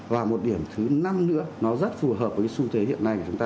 và một điểm thứ năm nữa nó rất phù hợp với xu thế hiện nay của chúng ta